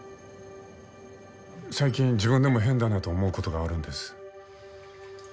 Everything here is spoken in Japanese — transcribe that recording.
最近自分でも変だなと思うことがあるんです。